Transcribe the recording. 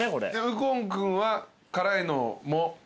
右近君は辛いのも？